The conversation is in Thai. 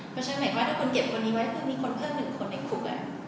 เพราะฉะนั้นถ้าคนเก็บคนนี้ไว้เพิ่งมีคนเพิ่ม๑คนในคุก